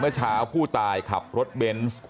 เมื่อเช้าผู้ตายขับรถเบนส์